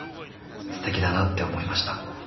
すてきだなって思いました」。